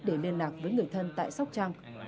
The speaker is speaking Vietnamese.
để liên lạc với người thân tại sóc trăng